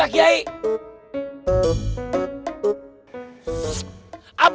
apa sih lu sasut sasut